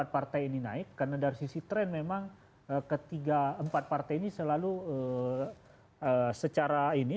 empat partai ini naik karena dari sisi tren memang ketiga empat partai ini selalu secara ini